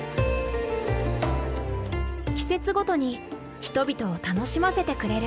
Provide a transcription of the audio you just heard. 季節ごとに人々を楽しませてくれる。